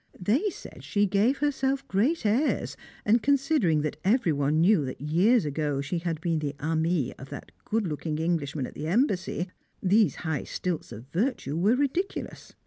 They said she gave herself great airs, and considering that every one knew that years ago she had been the amie of that good looking Englishman at the Embassy these high stilts of virtue were ridiculous.